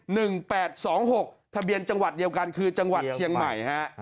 แปดสองหกทะเบียนจังหวัดเดียวกันคือจังหวัดเชียงใหม่ฮะ